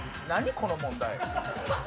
この問題。